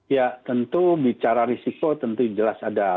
ya tentu bicara risiko tentu jelas ada